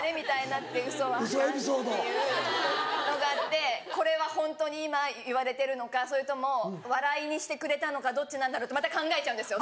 「ウソはアカン」っていうのがあってこれはホントに今言われてるのかそれとも笑いにしてくれたのかどっちなんだろうってまた考えちゃうんですよ